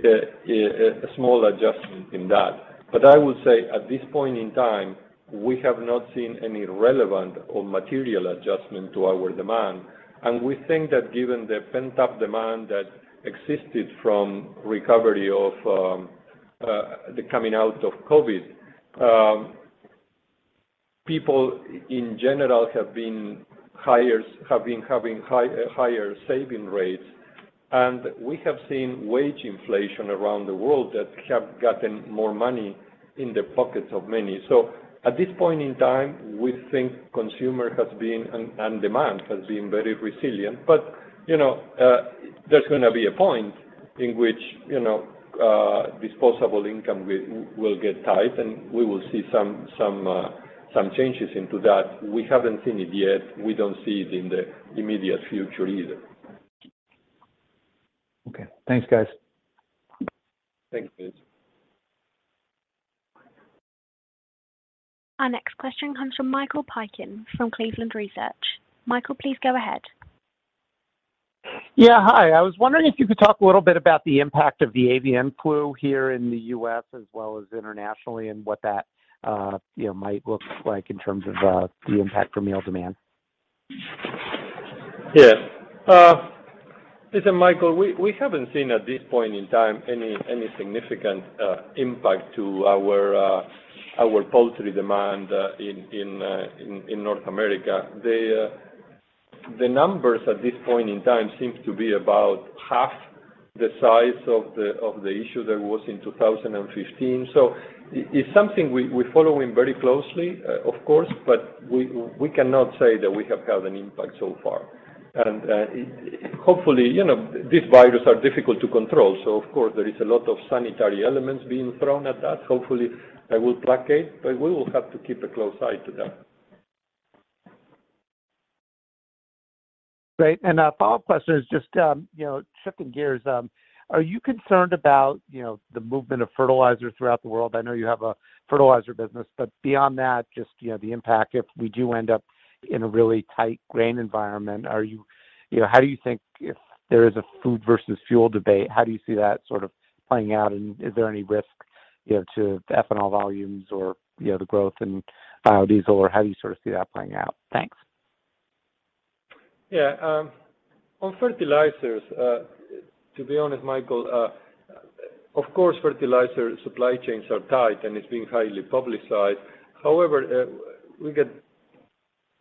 a small adjustment in that. I would say at this point in time, we have not seen any relevant or material adjustment to our demand. We think that given the pent-up demand that existed from the recovery of the coming out of COVID, people in general have been having higher saving rates. We have seen wage inflation around the world that have gotten more money in the pockets of many. At this point in time, we think consumer has been, and demand has been very resilient. You know, there's gonna be a point in which, you know, disposable income will get tight, and we will see some changes into that. We haven't seen it yet. We don't see it in the immediate future either. Okay. Thanks, guys. Thanks, Vince. Our next question comes from Michael Piken from Cleveland Research. Michael, please go ahead. Yeah, hi. I was wondering if you could talk a little bit about the impact of the avian flu here in the U.S. as well as internationally, and what that might look like in terms of the impact for meal demand. Yes. Listen, Michael, we haven't seen at this point in time any significant impact to our poultry demand in North America. The numbers at this point in time seems to be about half the size of the issue that was in 2015. It is something we're following very closely, of course, but we cannot say that we have had an impact so far. Hopefully, you know, these virus are difficult to control, so of course, there is a lot of sanitary elements being thrown at that. Hopefully, that will placate, but we will have to keep a close eye to that. Great. A follow-up question is just, you know, shifting gears, are you concerned about, you know, the movement of fertilizers throughout the world? I know you have a fertilizer business, but beyond that, just, you know, the impact if we do end up in a really tight grain environment? You know, how do you think if there is a food versus fuel debate, how do you see that sort of playing out, and is there any risk, you know, to the ethanol volumes or, you know, the growth in biodiesel, or how do you sort of see that playing out? Thanks. Yeah, on fertilizers, to be honest, Michael, of course, fertilizer supply chains are tight, and it's been highly publicized. However,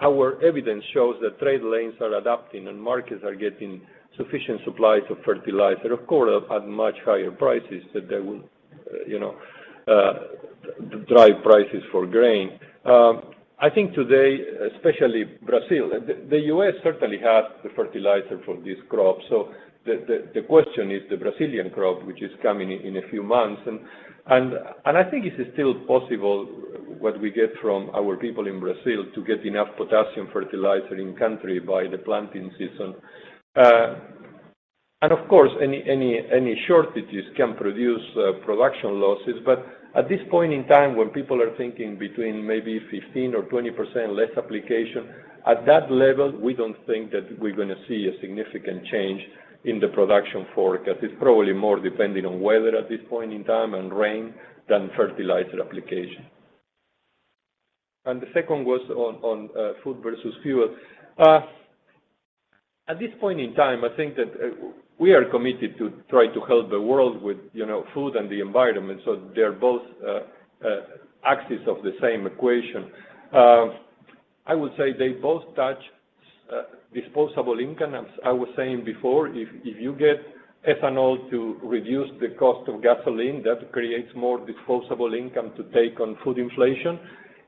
our evidence shows that trade lanes are adapting and markets are getting sufficient supplies of fertilizer, of course, at much higher prices that they will, you know, drive prices for grain. I think today, especially Brazil, the U.S. certainly has the fertilizer for this crop. The question is the Brazilian crop, which is coming in a few months. I think it's still possible, what we get from our people in Brazil, to get enough potassium fertilizer in country by the planting season. Of course, any shortages can produce production losses. At this point in time, when people are thinking between maybe 15%-20% less application, at that level, we don't think that we're gonna see a significant change in the production forecast. It's probably more dependent on weather at this point in time and rain than fertilizer application. The second was on food versus fuel. At this point in time, I think that we are committed to try to help the world with, you know, food and the environment, so they're both axes of the same equation. I would say they both touch disposable income. As I was saying before, if you get ethanol to reduce the cost of gasoline, that creates more disposable income to take on food inflation.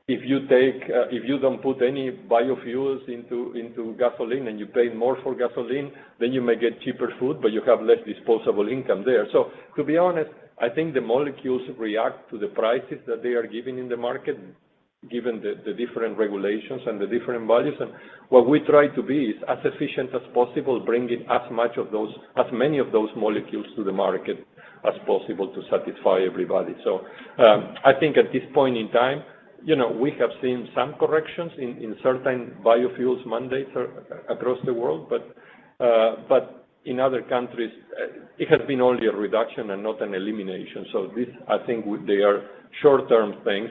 If you take, if you don't put any biofuels into gasoline and you pay more for gasoline, then you may get cheaper food, but you have less disposable income there. To be honest, I think the molecules react to the prices that they are given in the market, given the different regulations and the different values. What we try to be is as efficient as possible, bringing as much of those, as many of those molecules to the market as possible to satisfy everybody. I think at this point in time, you know, we have seen some corrections in certain biofuels mandates across the world, but in other countries, it has been only a reduction and not an elimination. This, I think they are short-term things,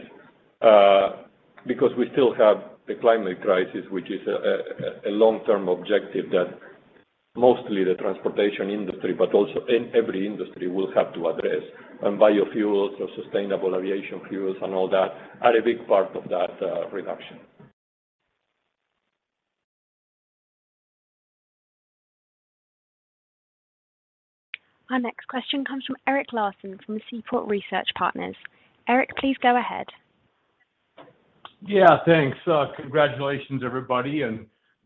because we still have the climate crisis, which is a long-term objective that mostly the transportation industry, but also in every industry will have to address. Biofuels or sustainable aviation fuels and all that are a big part of that, reduction. Our next question comes from Eric Larson from Seaport Research Partners. Eric, please go ahead. Yeah, thanks. Congratulations, everybody.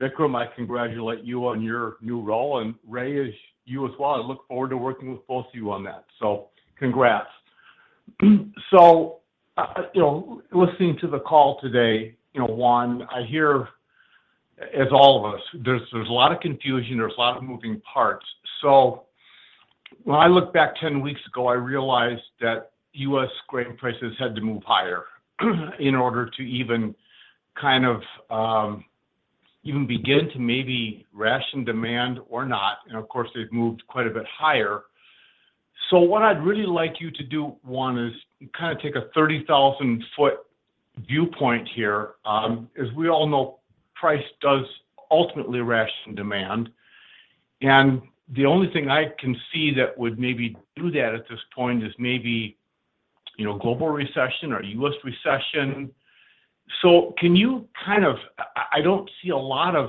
Vikram, I congratulate you on your new role, and Ray, as well. I look forward to working with both of you on that. Congrats. You know, listening to the call today, you know, Juan, I hear, as all of us, there's a lot of confusion, a lot of moving parts. When I look back 10 weeks ago, I realized that U.S. grain prices had to move higher in order to even kind of begin to maybe ration demand or not. Of course, they've moved quite a bit higher. What I'd really like you to do, Juan, is kind of take a 30,000-foot viewpoint here. As we all know, price does ultimately ration demand. The only thing I can see that would maybe do that at this point is maybe, you know, global recession or U.S. recession. I don't see a lot of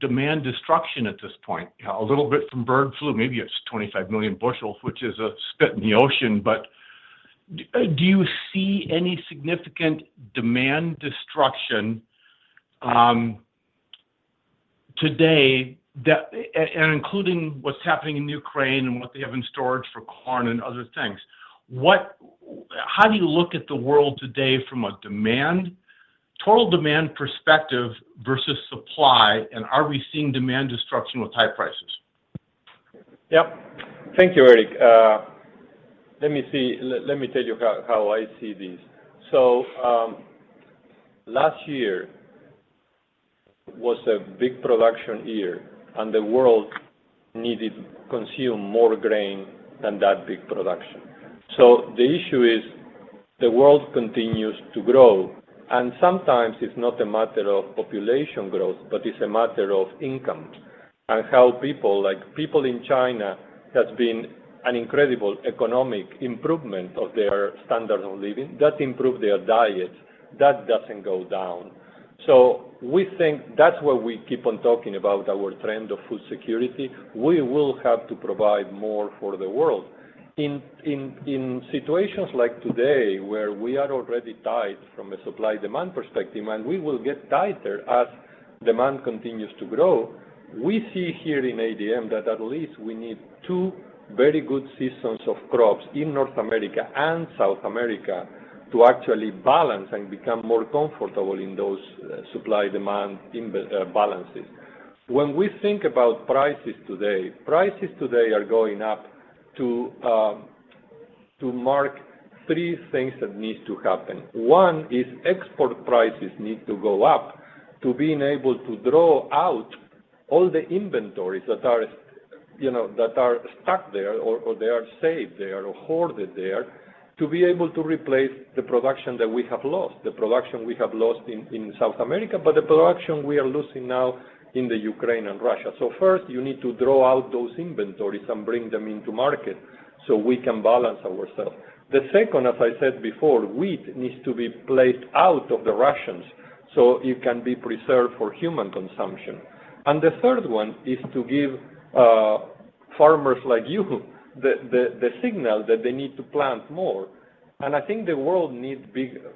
demand destruction at this point. A little bit from bird flu, maybe it's 25 million bushels, which is a spit in the ocean. But do you see any significant demand destruction today that and including what's happening in Ukraine and what they have in storage for corn and other things. How do you look at the world today from a demand, total demand perspective versus supply? Are we seeing demand destruction with high prices? Yep. Thank you, Eric. Let me tell you how I see this. Last year was a big production year, and the world needed to consume more grain than that big production. The issue is the world continues to grow, and sometimes it's not a matter of population growth, but it's a matter of income, and how people like people in China have been an incredible economic improvement of their standard of living. That improves their diet. That doesn't go down. We think that's why we keep on talking about our trend of food security. We will have to provide more for the world. In situations like today, where we are already tight from a supply-demand perspective, and we will get tighter as demand continues to grow, we see here in ADM that at least we need 2 very good seasons of crops in North America and South America to actually balance and become more comfortable in those supply-demand balances. When we think about prices today, prices today are going up to mark 3 things that needs to happen. One is export prices need to go up to being able to draw out all the inventories that are, you know, that are stuck there or they are saved there or hoarded there, to be able to replace the production that we have lost in South America, but the production we are losing now in Ukraine and Russia. First, you need to draw out those inventories and bring them into market so we can balance ourselves. The second, as I said before, wheat needs to be placed out of the Russians, so it can be preserved for human consumption. The third one is to give farmers like you the signal that they need to plant more. I think the world needs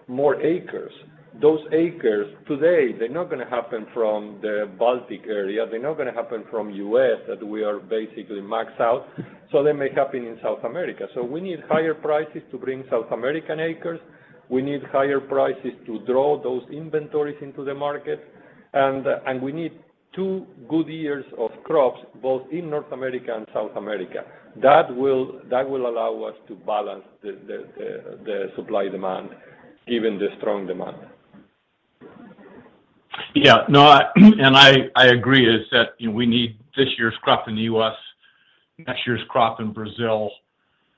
more acres. Those acres today, they're not gonna happen from the Baltic area. They're not gonna happen from U.S., that we are basically max out, so they may happen in South America. We need higher prices to bring South American acres. We need higher prices to draw those inventories into the market. We need two good years of crops, both in North America and South America. That will allow us to balance the supply and demand, given the strong demand. Yeah. No, I agree that, you know, we need this year's crop in the U.S., next year's crop in Brazil,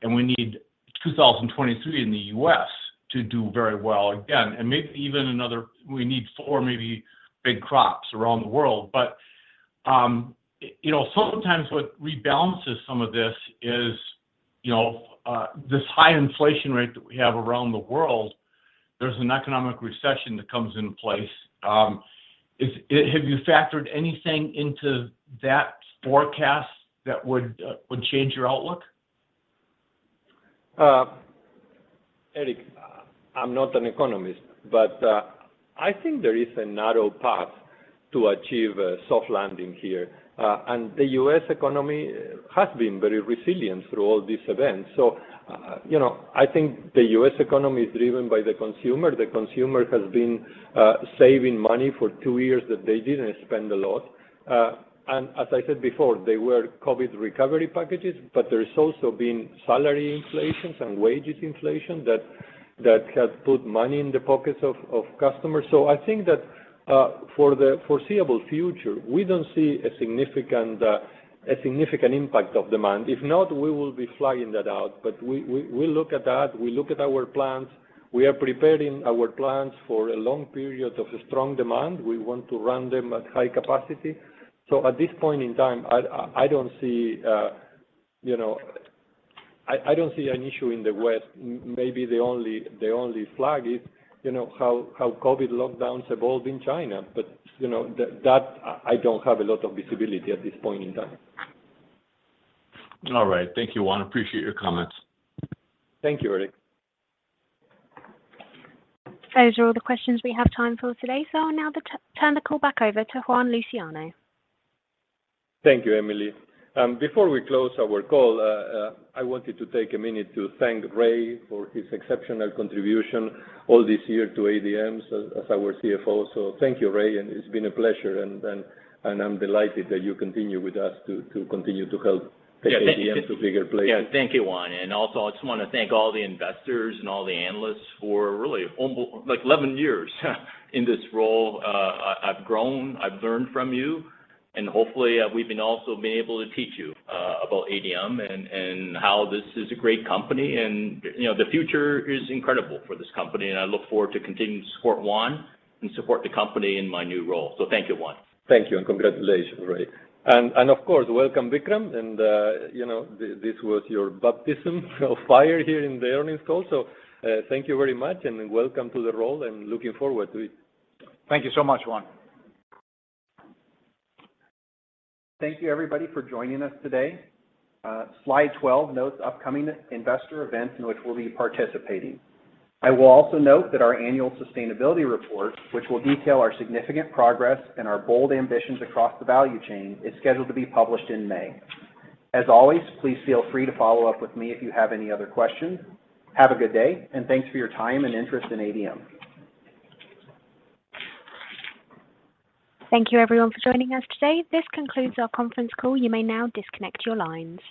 and we need 2023 in the U.S. to do very well again. We need four maybe big crops around the world. Sometimes what rebalances some of this is, you know, this high inflation rate that we have around the world. There's an economic recession that comes into place. Have you factored anything into that forecast that would change your outlook? Eric, I'm not an economist, but I think there is a narrow path to achieve a soft landing here. The U.S. economy has been very resilient through all these events. You know, I think the U.S. economy is driven by the consumer. The consumer has been saving money for two years that they didn't spend a lot. As I said before, there were COVID recovery packages, but there's also been salary inflation and wage inflation that has put money in the pockets of customers. I think that, for the foreseeable future, we don't see a significant impact of demand. If not, we will be flagging that out. We look at that, we look at our plans. We are preparing our plans for a long period of strong demand. We want to run them at high capacity. At this point in time, I don't see, you know, an issue in the West. Maybe the only flag is, you know, how COVID lockdowns evolve in China. You know, that I don't have a lot of visibility at this point in time. All right. Thank you, Juan. Appreciate your comments. Thank you, Eric. Those are all the questions we have time for today. I'll now turn the call back over to Juan Luciano. Thank you, Emily. Before we close our call, I wanted to take a minute to thank Ray for his exceptional contribution all this year to ADM as our CFO. Thank you, Ray, and it's been a pleasure. I'm delighted that you continue with us to continue to help take ADM to bigger places. Yeah. Thank you, Juan. I just wanna thank all the investors and all the analysts for really almost like 11 years in this role. I've grown, I've learned from you, and hopefully, we've been able to teach you about ADM and how this is a great company. You know, the future is incredible for this company, and I look forward to continuing to support Juan and support the company in my new role. Thank you, Juan. Thank you, and congratulations, Ray. Of course, welcome, Vikram. You know, this was your baptism of fire here in the earnings call, so thank you very much and welcome to the role and looking forward to it. Thank you so much, Juan. Thank you everybody for joining us today. Slide 12 notes upcoming investor events in which we'll be participating. I will also note that our annual sustainability report, which will detail our significant progress and our bold ambitions across the value chain, is scheduled to be published in May. As always, please feel free to follow up with me if you have any other questions. Have a good day, and thanks for your time and interest in ADM. Thank you everyone for joining us today. This concludes our conference call. You may now disconnect your lines.